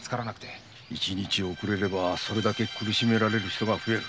一日遅れればそれだけ苦しめられる人が増える。